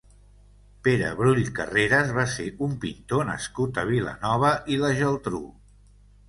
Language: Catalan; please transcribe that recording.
Pere Brull Carreras va ser un pintor nascut a Vilanova i la Geltrú.